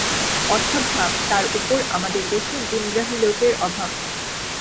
অর্থাভাব, তার উপর আমাদের দেশে গুণগ্রাহী লোকের অভাব।